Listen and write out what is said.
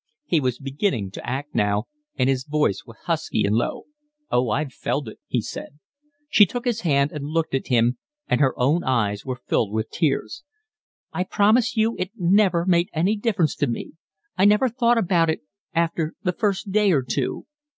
He was beginning to act now, and his voice was husky and low. "Oh, I've felt it," he said. She took his hand and looked at him, and her own eyes were filled with tears. "I promise you it never made any difference to me. I never thought about it after the first day or two."